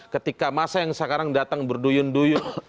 ketika masa yang sekarang datang berduyun duyun